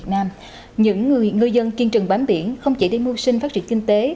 những ngư dân kiên trừng bám biển không chỉ đi mưu sinh phát triển kinh tế